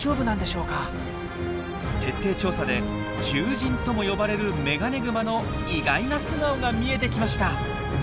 徹底調査で獣人とも呼ばれるメガネグマの意外な素顔が見えてきました。